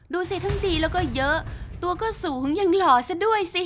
ดูสิทั้งดีแล้วก็เยอะตัวก็สูงยังหล่อซะด้วยสิ